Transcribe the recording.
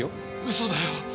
嘘だよ。